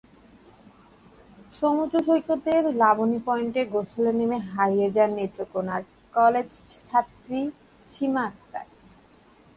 সমুদ্রসৈকতের লাবণী পয়েন্টে গোসলে নেমে হারিয়ে যান নেত্রকোনার কলেজছাত্রী সিমা আক্তার।